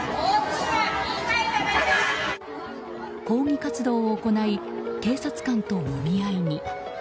抗議活動を行い警察官ともみ合いに。